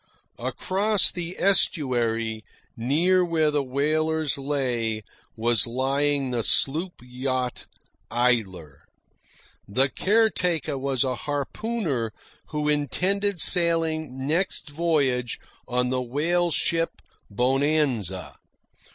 Across the estuary, near where the whalers lay, was lying the sloop yacht Idler. The caretaker was a harpooner who intended sailing next voyage on the whale ship Bonanza.